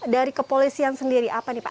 dari kepolisian sendiri apa nih pak